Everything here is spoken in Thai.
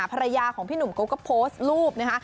ภรรยาของพี่หนุ่มกุ๊กก็โพสต์รูปนะคะ